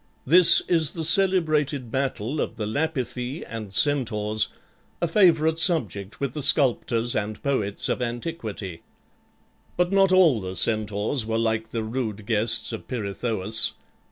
This is the celebrated battle of the Lapithae and Centaurs, a favorite subject with the sculptors and poets of antiquity. But not all the Centaurs were like the rude guests of Pirithous.